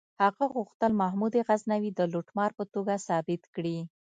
هغه غوښتل محمود غزنوي د لوټمار په توګه ثابت کړي.